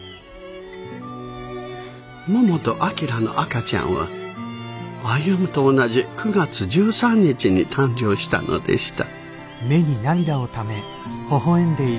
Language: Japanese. ももと旭の赤ちゃんは歩と同じ９月１３日に誕生したのでした。